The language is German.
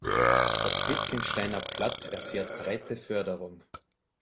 Das Wittgensteiner Platt erfährt breite Förderung.